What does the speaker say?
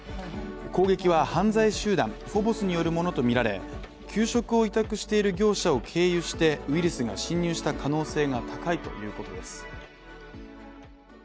攻撃は犯罪集団・フォボスによるものとみられ給食を委託している業者を経由してウイルスが侵入した可能性が高いということです。